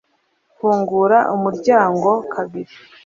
Fungura umuryango kabiri